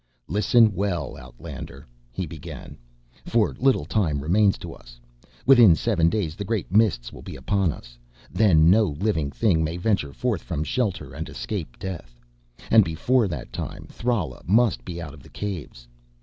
"Listen well, outlander," he began, "for little time remains to us. Within seven days the Great Mists will be upon us. Then no living thing may venture forth from shelter and escape death. And before that time Thrala must be out of the Caves.